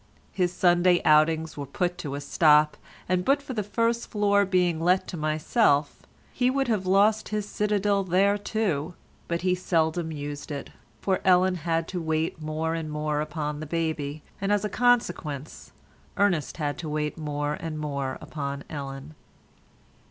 His Sunday outings were put a stop to, and but for the first floor being let to myself, he would have lost his citadel there too, but he seldom used it, for Ellen had to wait more and more upon the baby, and, as a consequence, Ernest had to wait more and more upon Ellen.